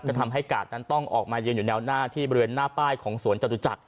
ทำให้กาดนั้นต้องออกมายืนอยู่แนวหน้าที่บริเวณหน้าป้ายของสวนจตุจักร